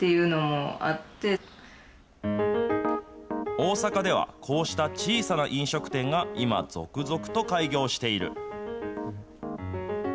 大阪ではこうした小さな飲食店が今、続々と開業している。